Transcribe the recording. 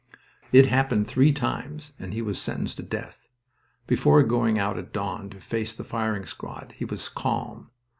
It happened three times, and he was sentenced to death. Before going out at dawn to face the firing squad he was calm.